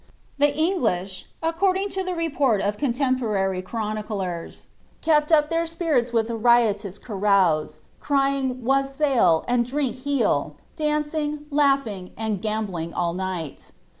The English, according to the report of contemporary chroniclere, kepi up their spirits with a riotous carouse, crying IVassatl and Dnnk htalf dancing, laughiiig, and gambling all night.